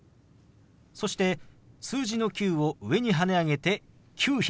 そして数字の「９」を上にはね上げて「９００」。